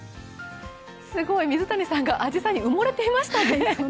すごい、水谷さんがあじさいに埋もれていましたね。